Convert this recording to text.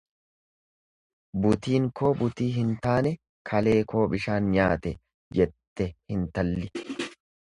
Butiin koo bultii hin taane kalee koo bishaan nyaate jette hintalli.